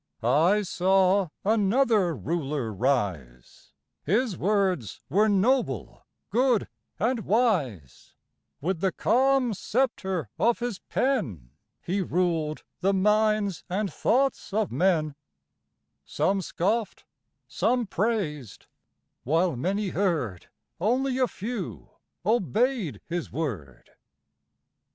I saw another Ruler rise His words were noble, good, and wise; With the calm sceptre of his pen He ruled the minds and thoughts of men; Some scoffed, some praised while many heard, Only a few obeyed his word.